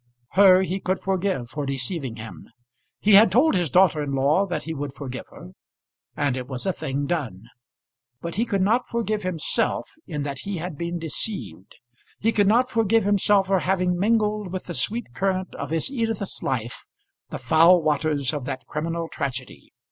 Her he could forgive for deceiving him. He had told his daughter in law that he would forgive her; and it was a thing done. But he could not forgive himself in that he had been deceived. He could not forgive himself for having mingled with the sweet current of his Edith's life the foul waters of that criminal tragedy.